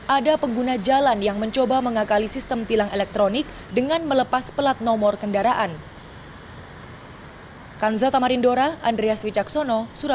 ada pengguna jalan yang mencoba mengakali sistem tilang elektronik dengan melepas pelat nomor kendaraan